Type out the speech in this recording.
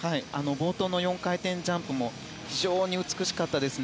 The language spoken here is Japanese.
冒頭の４回転ジャンプも非常に美しかったですね。